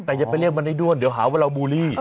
แต่อย่าไปเรียกมันในด้วนเดี๋ยวหาว่าเราบูลลี่